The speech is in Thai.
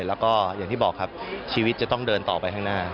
แล้วก็อย่างที่บอกครับชีวิตจะต้องเดินต่อไปข้างหน้า